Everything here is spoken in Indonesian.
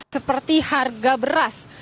seperti harga beras